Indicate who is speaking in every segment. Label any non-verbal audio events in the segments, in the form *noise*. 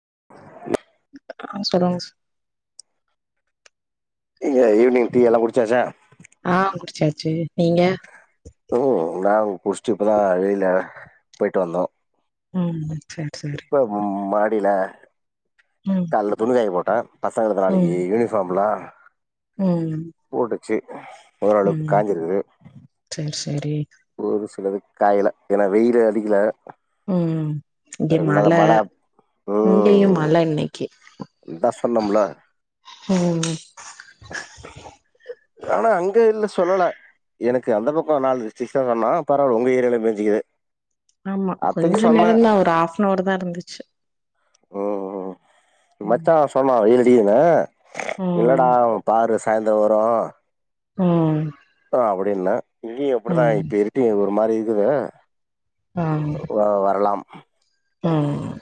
Speaker 1: *inaudible*
Speaker 2: ஆ சொல்லுங்க சா
Speaker 1: இங்க ஈவினிங் டீ எல்லாம் குடிச்சாச்சா
Speaker 2: ஆஹ் குடிச்சாச்சு நீங்க
Speaker 1: நா அங்க குடிச்சுட்டு இப்பதா வெளியில போயிட்டு வந்தோ
Speaker 2: ஹ்ம்
Speaker 1: இப்ப ம அடியில
Speaker 2: ம்
Speaker 1: கால துணி காய போ அ பசங்களுக்கு நாளைக்கு
Speaker 2: ம்
Speaker 1: யூனிஃபார்ம்லா
Speaker 2: ம்
Speaker 1: *inaudible* போட்டுச்சு ஓரளவுக்
Speaker 2: ம்
Speaker 1: காஞ்சிருக்குது
Speaker 2: சேர் சேரி
Speaker 1: இன்னு சிலது காயல ஏன்னா வெயிலு அடிக்ல
Speaker 2: ம் இங்க
Speaker 1: இந்த ரெண்டு
Speaker 2: மழ
Speaker 1: நாளா மழை
Speaker 2: இங்கயு
Speaker 1: ம்
Speaker 2: மழ இன்னைக்கி
Speaker 1: இதா சொன்னோம்ல
Speaker 2: ம்ம்ம்
Speaker 1: இதனால அங்கே இல்ல சொல்லலே எனக்கு அந்த பக்கம் நாலு டிஸ்ட்ரிக்ஸ் தான் சொன்னா பரவாயில்ல உங்க ஏரியால பேஞ்சிக்குது
Speaker 2: ஆமா கொஞ்ச நேரம் தான் ஒரு ஹாஃப்னவர் தான் இருந்துச்சு
Speaker 1: ம் ம்
Speaker 2: ம்
Speaker 1: மச்சா சொன்னா இ டீனே
Speaker 2: ம்
Speaker 1: இல்லேடா அவன் ஃபாரெஸ்ட் சாய்ந்தர வரோம்
Speaker 2: ம்
Speaker 1: அப்படின்ன இங்கேயும் அப்படிதான்
Speaker 2: ம்
Speaker 1: ஆயிருச்சு இருட்டி ஒரு மாதிரி இருக்கு
Speaker 2: ம்
Speaker 1: *unintelligible* வ வரலாம்
Speaker 2: ம்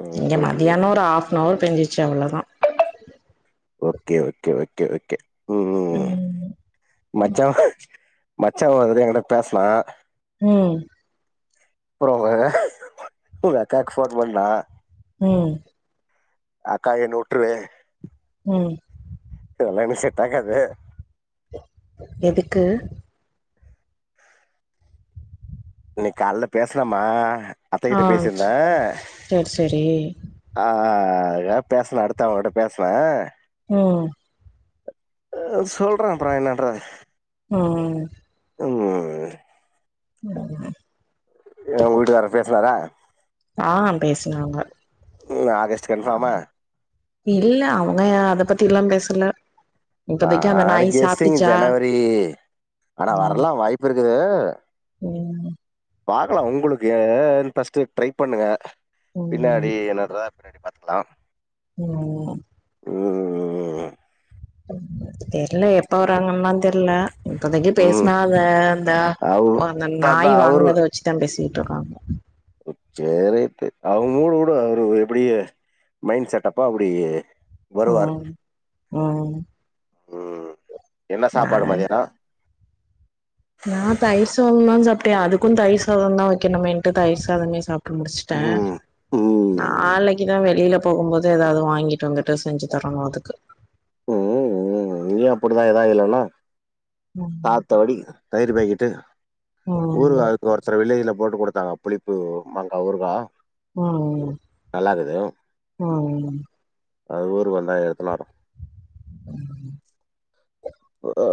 Speaker 1: ம்
Speaker 2: இங்க
Speaker 1: போயிட்ருக்கு
Speaker 2: மத்தியானம் ஒரு ஹாஃப் னவர் பேஞ்சிருச் ச்சி அவ்ளதா
Speaker 1: ஓகே ஓகே ஓகே ஓகே ம் ம் ம் மச்சா மச்சான் வந்து எங்கிட்ட பேஸ்னா
Speaker 2: ம்
Speaker 1: அப்றோ வேற எங்க அக்காக்கு ஃபோன் பண்ணா
Speaker 2: ம்
Speaker 1: அக்கா என்ன உட்ருவே
Speaker 2: ம்
Speaker 1: இதெல்லா எனக்கு செட் ஆகாது
Speaker 2: எதுக்கு
Speaker 1: இன்னைக் கால்ல பேஸ்னம்மா
Speaker 2: ஆ
Speaker 1: அத்தையிட்ட பேசியிருந்த
Speaker 2: சேர் சேரி
Speaker 1: அ ஆ அதுக்கா பேஸ்னே அடுத்த அவ்ங்கிட்ட பேசுன
Speaker 2: ம்
Speaker 1: அ சொல்ற அப்றொ என்னான்ற
Speaker 2: ம்
Speaker 1: உம்
Speaker 2: ம்
Speaker 1: வீட்டுக்காரர் பேசுனாரா
Speaker 2: ஆ பேசினாங்க
Speaker 1: ம் ஆகஸ்ட்
Speaker 2: ஆம்
Speaker 1: கன்ஃபார்மா
Speaker 2: இல்ல அவங்க அத பத்தி எல்லா பேசல இல்ல
Speaker 1: நாலைக்கு எஸ்சிங் ஜனவரி ஆனா வரலா வாய்ப்பு இருக் க்குது
Speaker 2: உம்
Speaker 1: பாக்கலா உங்களுக்கு ஏ ஃபஸ்ட்டு ட்ரை பண்ணுங்க
Speaker 2: ம்
Speaker 1: பின்னாடி என்னரதா பின்னாடி பாப் பாத்துக்கலா
Speaker 2: ம் ம் தெரில எப்ப வறாங்கன்லா தெரியல இப்பதைக்கு
Speaker 1: ம்.
Speaker 2: பேசினா அத அந்த
Speaker 1: அவ்
Speaker 2: அந்த நாய்
Speaker 1: அதான் அவரு
Speaker 2: வாங்குனத வெச்சுதா பேசி ருக்காங்க
Speaker 1: சேரி ரைட்டு அவங்க மூடு விடு அவரு இப்பிடியே மைண்ட் செட் டப்பா அப்படியே
Speaker 2: உம் உம் ம்
Speaker 1: உம் என்ன
Speaker 2: நா
Speaker 1: சாப்பாடு மதியானோ
Speaker 2: நா தாயிர் சாதோதா சாப் அதுக்கு தையிர் சாதோன் தா வைக்கனு மேண்டு தயிர் சாதமே சாப் ட்டு முடிச்சட்டே
Speaker 1: ம். ம்.
Speaker 2: நாளைக்குதா வெளியில போகும்போது ஏதாவது வாங்கிட்டு வந்துட்டு செஞ்சு தரணு அதுக்கு
Speaker 1: உம் உம் நீயு அப்படிதா எதா இல்லன்னா
Speaker 2: ம்
Speaker 1: ஆத்தாடி தயிர் பக்கிட்டு
Speaker 2: ம்
Speaker 1: ஊரு ஒருத்தர் வில்லேஜ்ல போட்டு கொடுத்தாங்க புளிப்பு மங்கா ஊருகா
Speaker 2: உம் உம்
Speaker 1: அது ஊரு வந்தா எடுத்துனாரோ
Speaker 2: *inaudible*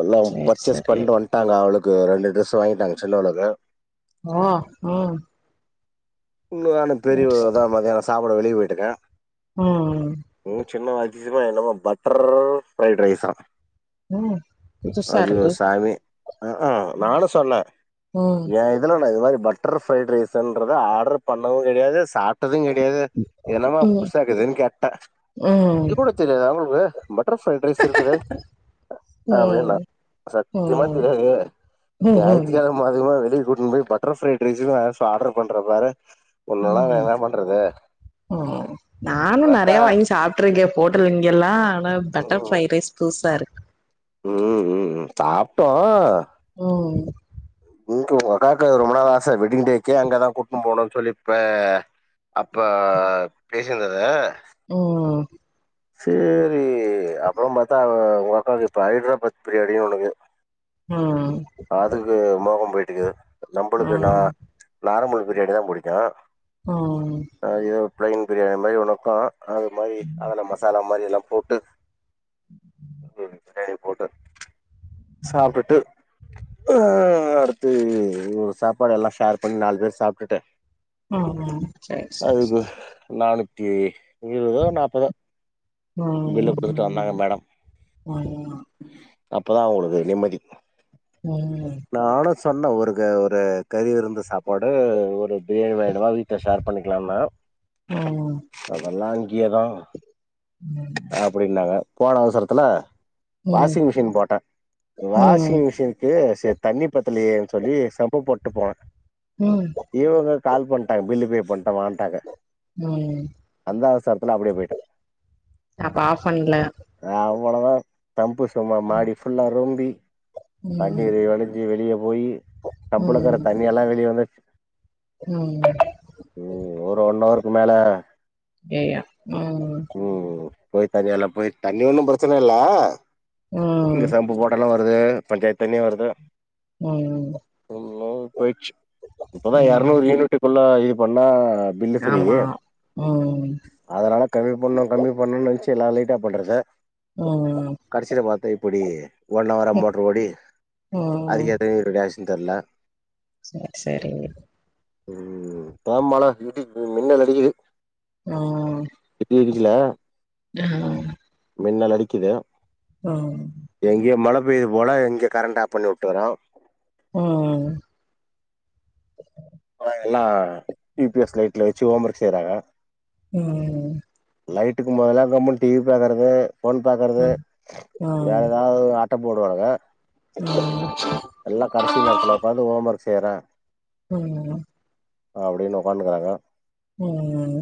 Speaker 1: இல்ல
Speaker 2: சேரி
Speaker 1: பர்ச்சேஸ்
Speaker 2: சேரி
Speaker 1: பண்ணு வந்துட்டாங்க அவளுக்கு ரெண்டு டிரெஸ்சு வாங்கிட்டாங்க சின்ன ஓனரு
Speaker 2: ஓ ஆ
Speaker 1: இன்னு என்ன பெரியவருதா மத்தியானோ சாப்ப கூட வெளிய போயிட்டுக்கே
Speaker 2: உம் உம்
Speaker 1: ம் சின்னவ அதிசியமாச என்னவோ பட்டர் ஃப்ரைட் ரைஸா
Speaker 2: ம் புதுசா
Speaker 1: ஐயோ
Speaker 2: இருக்கு
Speaker 1: சாமி ஆ ஆ நானு சொன்னே
Speaker 2: ம்
Speaker 1: ஏ இதுல இது மாரி பட்டர் ஃப்ரைடு ரைஸ்ன்றது ஆர்டர் பண்ணவு கெடயாது சாப் ட்டதும் கெடையாது என்னமோ
Speaker 2: ம்
Speaker 1: புதுசாக்குதுன்னு கேட்ட
Speaker 2: ம்
Speaker 1: இது கூட தெரியாதா உங்களுக்கு பட்டர் ஃப்ரைட் ரைஸ் இருக்குது அப்டின்னா
Speaker 2: ம்
Speaker 1: சத்தியமா
Speaker 2: ம்
Speaker 1: தெரியாது
Speaker 2: ம்
Speaker 1: ஞாயித்து கெழம அதுமா வெளிய கூட்னு போய் பட்டர் ஃப்ரைட் ரைஸுனு ச ஆர்டர் பண்ற பாரு உன்னல்லா
Speaker 2: ம்
Speaker 1: நா என்ன பண்றது
Speaker 2: ம் நானு
Speaker 1: உங்க அக்கா
Speaker 2: நெறையா வாங்கி சாப்ட்ருக்கே போட்டல் இங்கேலா ஆனா பட்டர் ஃப்ரைட் ரைஸ் புதுசா இருக்கு
Speaker 1: ம் ம் ம் சாப்ட்டோ
Speaker 2: ம்
Speaker 1: இங் உங்கக்காக்கு ரொம்ப நாள் ஆசை வெட்டிங் டேக்கே அங்கதா கூட்னு போகணுன் சொல்லி இப்ப அப்ப பேசிருந்தது
Speaker 2: ம்
Speaker 1: சேரி அப்புற பாத்தா உங்காக்கு ப்ப ஹைட்ராபாத் பிரியாணின் ஒணுக்கு
Speaker 2: ம்
Speaker 1: அதுக்கு மோகம் போய் டுக்கு நம்புளுக்கு நா
Speaker 2: ம்
Speaker 1: நார்மல் பிரியாணிதா புடிக்கு
Speaker 2: ஓ
Speaker 1: இது பிளைன் பிரியாணி மாரி உனக்கு அது மாரி அதுல்ல மசாலா மாதிரி எல்லாம் போட்டு பிரியாணி போட்டு சாப்பிட்டுட்டு ஆ அடுத்து ஒரு சாப்பாடு எல்லாம் ஷேர் பண்ணி நாலு பேர் சாப்பிட்டுட்டு
Speaker 2: ம் சேரி சேரி சேரி
Speaker 1: இருபதோ நாப்பதோ பில்ல
Speaker 2: ம்
Speaker 1: குடுத்துட்டு வந்தாங்க
Speaker 2: *unintelligible*
Speaker 1: அப்பதான் உங்களுக்கு நிம்மதி
Speaker 2: உஹ *unintelligible* ம்
Speaker 1: சொன்னேன் ஒரு க ஒரு கறி விருந்து சாப்பாடு ஒரு பிரியாணி வேணுமா வீட்டில் ஷேர் பண்ணிக்கலாம்ண்ணா
Speaker 2: ம்
Speaker 1: அதெல்லாம் இங்கே தான் அப்படின்னாங்க போற அவசரத்துல வாஷிங் மிஷின் போட்டேன்
Speaker 2: ம்
Speaker 1: வாஷிங் மிஷினுக்கு சேர்த்து பத்தலேயேன்னு சொல்லி சப்பு போட்டு போனேன்
Speaker 2: ம் ம்
Speaker 1: இவங்க கால் பண்ணிட்டாங்க பில்லு பே பண்ண வாட்டாங்க *unintelligible*
Speaker 2: ம்
Speaker 1: அப்டியே போயிட்டே
Speaker 2: அப்ப ஆஃப் பண்ணல
Speaker 1: அவ்வளவுதான் தம்பு சும்மா மாடி ஃபுல்லா ரொம்பி
Speaker 2: ம்
Speaker 1: தண்ணீர் வழிஞ் வெளியே போய் தம்புளயிருக்கர
Speaker 2: ம்
Speaker 1: தண்ணியெல்லாம் வெளியே என *unintelligible*
Speaker 2: ம்
Speaker 1: மேலே
Speaker 2: ஏயா ம்
Speaker 1: போய் தண்ணி எல்லா போய் தண்ணி ஒண்ணு பிரச்சன இல்லே
Speaker 2: ம்
Speaker 1: இங்க சம்பு போட்டாலு வர் து பஞ்சாயத்து தண்ணியா வருது
Speaker 2: ம்
Speaker 1: போய்ச்சு இப்பதா
Speaker 2: ம்
Speaker 1: எர்நூறு யூனிட்டுக்குள்ள பண்ணா பில்லு ஃப்ரீ
Speaker 2: ஆமா ம்
Speaker 1: அதனால கம்மி பண்ணு கம்மி பண்ணு நெனுச்சு எல்லா லைட் ஆஃப் பண்றது
Speaker 2: ம்
Speaker 1: கடைசில பாத்தா இப்படி ஒன் அவரா மோட்ரு ஓடி அதுக்கு *unintelligible* இதெல்லா
Speaker 2: செர் செரிங்க
Speaker 1: ம் போம்பாலா இடி மின்னல் அடிக்குது
Speaker 2: ம்
Speaker 1: இடி இடிக்குல
Speaker 2: ஆ
Speaker 1: மின்னல் அடிக்குது
Speaker 2: ம்
Speaker 1: எங்கயோ மழ பெய்து போல இங்க கரண்ட் ஆஃப் பண்ணி வுட்டுர்றா
Speaker 2: ம்
Speaker 1: ஆ எல்லா யூ பி எஸ் லைட்ல வெச்சு ஹோம் ஒர்க் செய்றாங்க
Speaker 2: ம் ம் ம்
Speaker 1: லைட்டுக்கு மொதல கம்முன் டிவி பாக்கறது ஃபோன் பாக்கறது வேற
Speaker 2: ம்
Speaker 1: ஏதாவ் *unintelligible* போடுவானுங்க
Speaker 2: ம்
Speaker 1: எல்லா கடசி நேரத்ல ஒக்காந்து ஓம் ஒர்க் சேரா
Speaker 2: *unintelligible*
Speaker 1: அப்டினு உக்காண்டுக்குறாங்க
Speaker 2: ம்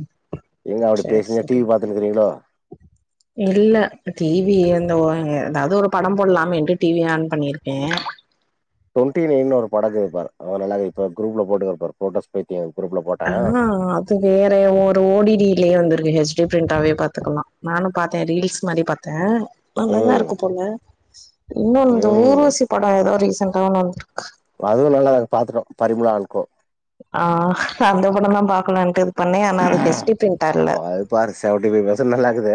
Speaker 2: சேர்
Speaker 1: பேசினே
Speaker 2: செரி
Speaker 1: டிவி பாத்துனுக்கிறீங்களோ
Speaker 2: இல்ல டீவி இந்த *unintelligible* தாவ்து ஒரு படம் போல்லாமேண்ட்டு டீவி ஆன் பண்ணிருக்கே
Speaker 1: ட்வொண்ட்டி நைனு ஒரு படோக்குது பாருங் அது நல்லா இருக் இப்ப குரூப்ல போட்டுக்கோ பாரு போட்டோஸ் பைத்திய அது
Speaker 2: ஆ அது வேற ஒரு ஓ டி டி லயே வந்து ட்டு ஹெச் டி ப்ரிண்ட்டாவே பாத்துக்கலா நானு பாத்தே ரீல்ஸ் மாரி பாத்த நல்லாதா
Speaker 1: ம்
Speaker 2: இருக்கு போல இன்னொன் இந்த
Speaker 1: ம்
Speaker 2: ஊர்வசி படோ ஏதோ ரீசன் *unintelligible*
Speaker 1: அதுவு நல்லா பாத்துட்டோ பரிமளா அண் கோ
Speaker 2: ஆ அந்த படந்தா பாக்கலான்ட்டு பண்ணே ஆனா அது ஹெச் டி பிரிண்டா இல்ல
Speaker 1: பாரு பாரு செவன்ட்டி ஃபைவ் பர்சென்ட் நல்லாருக்குது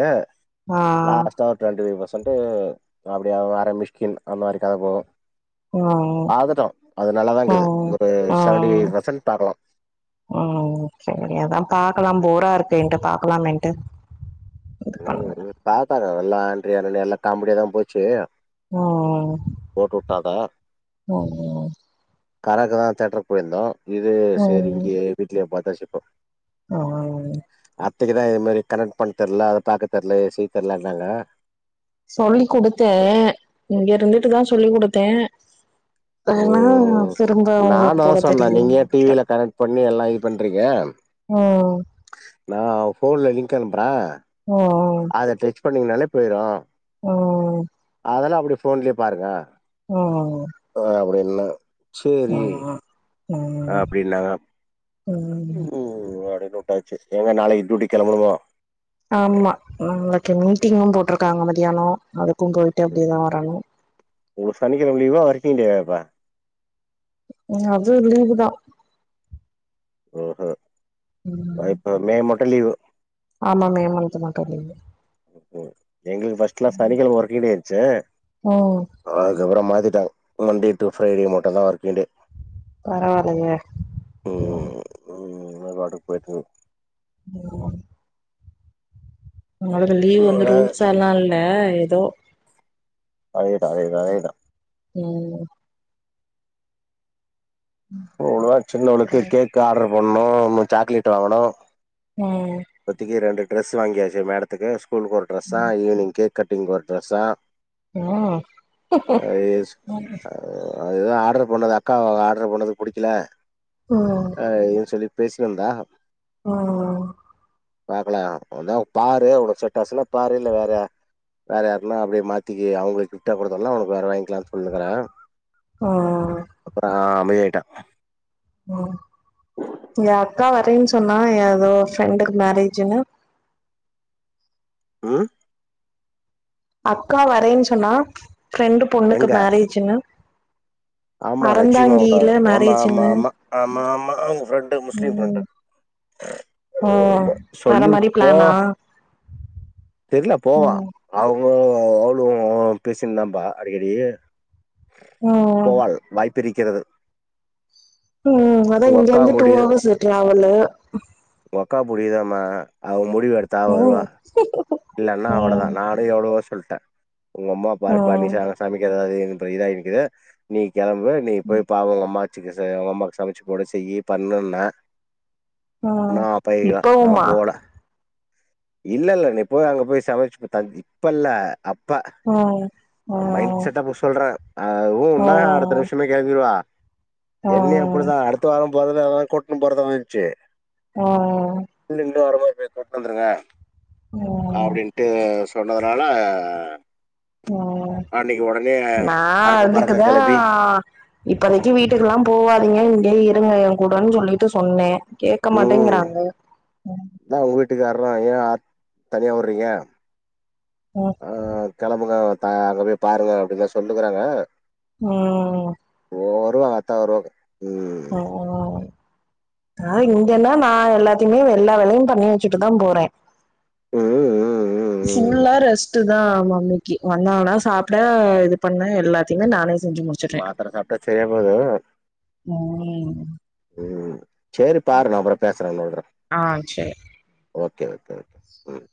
Speaker 2: ஆ
Speaker 1: லாஸ்ட்டா ஒரு டுவெண்ட்டி ஃபைவ் பர்சென்ட் வந்ட்டு அப்படிய வேற மிஷ்கின் அந்த மாரி கதை போவு
Speaker 2: ம்
Speaker 1: பாத்துட்டோ அது நல்லாதாக்குது
Speaker 2: ம்
Speaker 1: ஒரு செவன்ட்டி
Speaker 2: ம்
Speaker 1: ஃபைவ் பர்சன்ட் பாக்கலா
Speaker 2: ம் சரி அதா பாக்கலா போரா இருக்கேன்ட்டு பாக்கலாமேன்ட்டு இது
Speaker 1: ம்
Speaker 2: பண்ணே
Speaker 1: ம் பாத்தா நல்லான் எல்லா காமெடியாதா போச்சு
Speaker 2: ஆ
Speaker 1: போட்டு வுட்டாங்க
Speaker 2: அ
Speaker 1: கராக்கதா தேட்டரு போயிருந்தோ இது செரி இங்கயே வீட்லயே பாத் பேசிப்போ
Speaker 2: ஆ
Speaker 1: அத்தைக்குதா இது மாரி கனெக்ட் பண்ட்டன்ல பாக்க தெர்ல செய்ய தெர்லனாங்க
Speaker 2: சொல்லி குடுத்து இங்க இருந்துட்டுதா சொல்லி குடு த்தே
Speaker 1: ம் நானா
Speaker 2: போட
Speaker 1: சொன்ன
Speaker 2: தெரியல
Speaker 1: நீங்க ஏ
Speaker 2: நெனைக்கிறே
Speaker 1: டிவில கனெக்ட் பண்ணி எல்லா பண்றீங்க
Speaker 2: ம்
Speaker 1: நா ஃபோன்ல லி கணுப்ற
Speaker 2: ஓ ஓ
Speaker 1: பண்ணீங்னாலே போய்ரு
Speaker 2: ஓ
Speaker 1: அதெல்லா அப்டே ஃபோன்லயே பாருங்க
Speaker 2: ம்
Speaker 1: நல்லா சேரி
Speaker 2: ம் ம்
Speaker 1: அப்படின்னாங்க
Speaker 2: ம்
Speaker 1: ம் அது போட்டாச்சு எங்க நாளைக்கு டூட்டி களம்பனுமா
Speaker 2: ஆம்மா நாளைக்கு மீட்டிங்கும் போட்டுருக்காங்க மதியானம் அத கோங்கோ போய்ட்டு அப்டியே வரணும்
Speaker 1: ஒர்களுக் சனிகெழம லீவ்வா ஒர்கிங் டேவ்வா
Speaker 2: உம் அது லீவு தா
Speaker 1: ஓஹோ
Speaker 2: ம்
Speaker 1: அ இப்ப மே மன் தெலிவு
Speaker 2: ஆமா மே மன்த் மட்டு லீவு
Speaker 1: ம் எங்களுக்கு ஃபர்ஸ்ட்லா சனிகெழம வொர்கிங் டே ச
Speaker 2: ம்
Speaker 1: அதுகப்றமா இத மண்டே டு ஃப்ரைடே மட்டும் தா வொர்க்கிங் டே
Speaker 2: பரவாயில்லயே உம்
Speaker 1: வெலாட போயிடிங்
Speaker 2: ம் உங்களுக்கு லீவ் வந்து ரூல்ஸால்லா இல்ல ஏதோ
Speaker 1: அதேதா அதேதா அதேதா
Speaker 2: ம்
Speaker 1: *unintelligible* சின்னவளுக்கு கேக் ஆட்ரு பண்ணோ ம் சாக்லேட்டு வாங்குணோ
Speaker 2: ம்
Speaker 1: ஒத்திக்கி ரெண்டு டிரெஸ்ஸு வாங்கியாச்சு மடத்துக்கு ஸ் கூலுக்கு ஒரு ட்ரெஸ்ஸா ஈவ்னிங் கேக் கட்டிங்க்கு ஒரு ட்ரெஸ்ஸா
Speaker 2: ம் ம்
Speaker 1: அது ஏதோ ஆட்ரு பண்ணுது அக்கா ஆட்ரு பண்ணது புடிக்கெல
Speaker 2: ம்
Speaker 1: அ இன் சொல்லி பேசினுர்ந்த
Speaker 2: ஆ
Speaker 1: பாக்லா உன்னா பாரு உனக் செட்டாச்சுன்னா பாரு இல்ல வேற ய வேற யாருக்னா அப்டியே மாத்திக்கி அவுங்களுக்கு கிஃப்ட்டா குடுத்தல்லா ஒனக்கு வேற வாய்ங்க்கிலான் சொல்னுக்குற
Speaker 2: அ அ அ
Speaker 1: அமைதியாய்ட்டா
Speaker 2: ம் ஏ அக்கா வரேன் சொன்னா ஏதோ ஃப்ரெண்டுக்கு மேரேஜுன்னு
Speaker 1: ம்
Speaker 2: அக்கா வரேன் சொன்னா ஃப்ரெண்டு பொண்ணுக்கு
Speaker 1: எங்க
Speaker 2: மேரேஜுன்னு
Speaker 1: ஆமா நச்சுமா விட ஆமா ஆமா
Speaker 2: மேரேஜ்ன்னு
Speaker 1: ஆமா *unintelligible* ஆமா ஆமா ஆமா ஆமா ஆமா அவ்ங்க ஃப்ரெண்டு முஸ்லீம்
Speaker 2: ம்
Speaker 1: ஃப்ரெண்டு
Speaker 2: ம்
Speaker 1: ஆமா
Speaker 2: வர
Speaker 1: சொல்லிங்
Speaker 2: மாரி
Speaker 1: போ
Speaker 2: பிளானா
Speaker 1: தெர்ல போவா
Speaker 2: ம்
Speaker 1: அவ் வ் அவ்ளு பேசிர்ந்தாம்ப்பா அடிக்கடி
Speaker 2: ம்
Speaker 1: போவாது வாய்ப் பிரிக்கிறது
Speaker 2: ம், ம் அதா இங்க இருந்து டூ ஹவர்ஸ் டிராவலு
Speaker 1: உங்க அக்கா புரியுதாமா அவ மு டிவு எடுத்தா அவ வருவா
Speaker 2: ம்
Speaker 1: இல்லன்னா அவ்ளோதா
Speaker 2: ம்
Speaker 1: நானு எவ்வளவோ சொல் ட உங்க அம்மா பாருப்பா நீ
Speaker 2: ம்
Speaker 1: சம சமைக்கிறத அது எது இப்போ இதா இருக்குது நீ கெளம்பு நீ போய் பாவோ உங்க அம்மா ச்சிக்கு ச உங்க அம்மாக்கு சமைச்சு போடு செய்யி பண்ணுன்னா
Speaker 2: ஆ, இப்பவுமா
Speaker 1: இல்ல இல்ல நீ போய் அங்க போய் சமைச்சி தங்கி, இப்பல்ல அப்ப,
Speaker 2: ம்
Speaker 1: அவ மைண்ட்
Speaker 2: ம்
Speaker 1: செட்டப்பு சொல்ற, ஆ
Speaker 2: ம்
Speaker 1: ஊன்னா அடுத்த நிமிஷமே கெளம்பிடுவா என்னையு
Speaker 2: ம்
Speaker 1: அப்டிதா அடுத்த வாரோ பதிலாதா கூட்னு போறதாதா இருந்ச்சி
Speaker 2: ம்ம்ம்ம்
Speaker 1: சேரி கொண்ட்டு வந்துருங்க அப்டின்ட்டு சொன்னதுனால
Speaker 2: ம்
Speaker 1: அன்னைக்கு உடனே
Speaker 2: நா
Speaker 1: அறக்க பறக்க
Speaker 2: அதுக்குதா
Speaker 1: கெளப்பி
Speaker 2: இப்பதக்கி வீட்டுக்கெல்லா போவாதீங்க இங்கயே இருப இருங்க என் கூடன்னு சொல்லீட்டு சொன்னே கேக்க
Speaker 1: ம்
Speaker 2: மாட்டேங்கிறாங்க ம்
Speaker 1: அதா உன் வீட்டுக்கார்றா ஏ ஆத் தனியா வுட்றீங்க ஆ கெளம்புங்க அ ஆ அங்க போய் பாருங்க அப்டிதா சொல்லுனுக்கறாங்க
Speaker 2: ம்ம்ம்
Speaker 1: பொறுங்க அவுங்க அத்தா வருவாங்க ம்
Speaker 2: ம்ம்ம்ம் நா இங்கெல்லாம் நா எல்லாத்தையுமே எல்லா வேலயும் பண்ணி வச்சுட்டு தா போறே
Speaker 1: ம் ம் ம் ம்
Speaker 2: ஃபுல்லா ரெஸ்ட் இதா மம்மிக்கி வந்தாங்கண்ணா சாப்டே இது பண்ணே எல்லாத்தயுமே நானே செஞ்சு முடிச்சுடுறே
Speaker 1: மாத்தர சாப்ட்டா சரியா போய்டு
Speaker 2: ம்
Speaker 1: ம் சேரி பாரு நா அப்றோ பேசறே
Speaker 2: ஆ சேரி
Speaker 1: ஓகே ஓகே ஓகே ம்